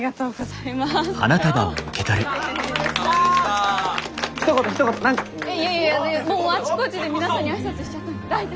いやいやいやもうあちこちで皆さんに挨拶しちゃったので。